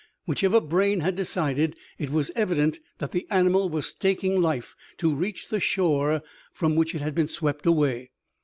Whichever brain had decided, it was evident that the animal was staking life to reach the shore from which it had been swept away.